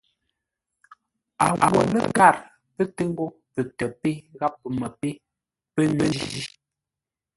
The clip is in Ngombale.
A wo ləkâr pə́ tə ghó pətə́ pé gháp pəmə́ pé pə́ njí.